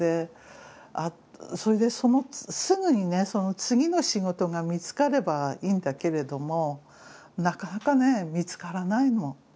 それでそのすぐにね次の仕事が見つかればいいんだけれどもなかなかね見つからないの。